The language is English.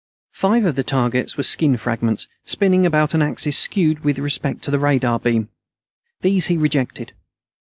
Five of the targets were skin fragments, spinning about an axis skewed with respect to the radar beam. These he rejected.